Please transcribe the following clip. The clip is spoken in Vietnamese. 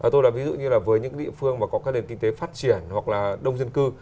tôi là ví dụ như là với những địa phương mà có các nền kinh tế phát triển hoặc là đông dân cư